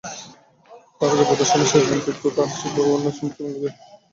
তাঁর আগের প্রদর্শনীগুলো শিরোনাম থেকেও তাঁর শিল্প ভাবনা সম্পর্কে ধারণা মিলবে।